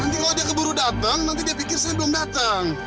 nanti kalau dia keburu datang nanti dia pikir saya belum datang